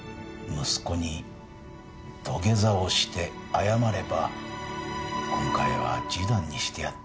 息子に土下座をして謝れば今回は示談にしてやってもいい。